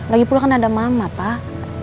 lagipun kan ada mama pak